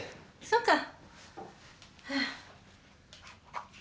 そうか。